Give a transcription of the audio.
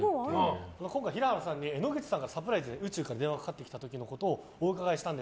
今回平原さんに野口さんからのサプライズで宇宙から電話がかかってきた時のことをお伺いしました。